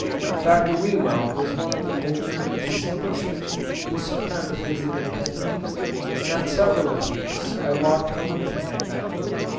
Dr. Whewell was one of the older and distinguished men who sometimes visited Henslow, and on several occasions I walked home with him at night.